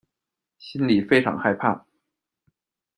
心里非常害怕